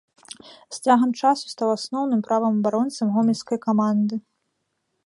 З цягам часу стаў асноўным правым абаронцам гомельскай каманды.